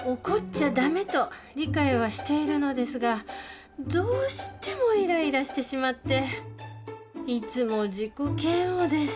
怒っちゃダメと理解はしているのですがどうしてもイライラしてしまっていつも自己嫌悪です